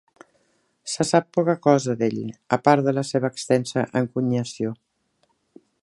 Se sap poca cosa d'ell, a part de la seva extensa encunyació.